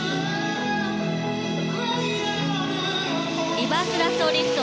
リバースラッソーリフト。